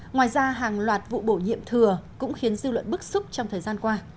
ngoài ra hàng loạt vụ bổ nhiệm thừa cũng khiến dư luận bức xúc trong thời gian qua